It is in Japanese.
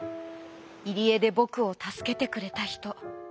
いりえでぼくをたすけてくれたひと。